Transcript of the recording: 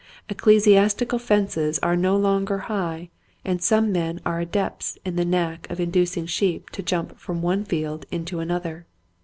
Ecclesiastical fences are no longer high and some men are adepts in the knack of inducing sheep to jump from one field into another.